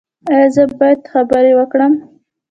ایا زه باید خبرې وکړم؟